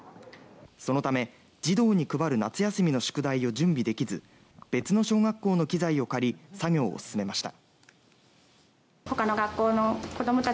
そのため、児童に配る夏休みの宿題を準備できず別の小学校の機材を借り作業を進めました。